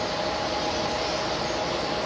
สุดท้าย